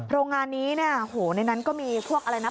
โรงงานนี้เนี่ยโหในนั้นก็มีพวกอะไรนะ